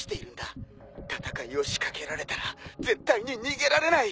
戦いを仕掛けられたら絶対に逃げられない。